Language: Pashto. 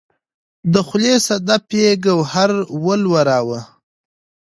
د خولې صدف یې ګوهر ولوراوه